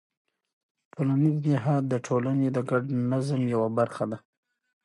ټولنیز نهاد د ټولنې د ګډ نظم یوه برخه ده.